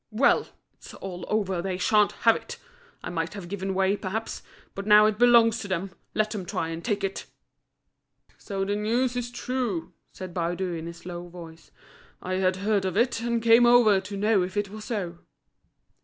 Well! it's all over, they sha'n't have it! I might have given way, perhaps; but now it belongs to them, let them try and take it!" "So the news is true?" said Baudu in his slow voice. "I had heard of it, and came over to know if it was so."